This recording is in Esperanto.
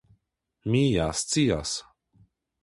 Mi ja scias.